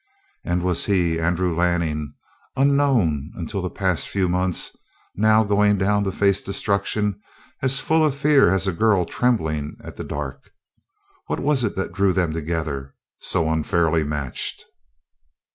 And was he, Andrew Lanning, unknown until the past few months, now going down to face destruction, as full of fear as a girl trembling at the dark? What was it that drew them together, so unfairly matched?